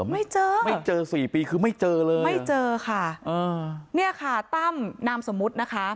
ไม่เจอไม่เจอสี่ปีคือไม่เจอเลยไม่เจอค่ะอ่าเนี่ยค่ะตั้มนามสมมุตินะคะ